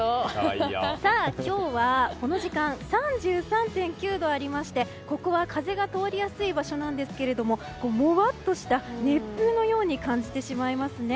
今日はこの時間３３．９度ありましてここは風が通りやすい場所なんですがもわっとした熱風のように感じてしまいますね。